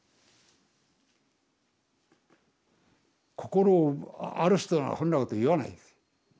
心ある人ならそんなこと言わないです。